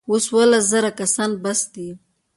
اوس اوولس زره کسان بس دي.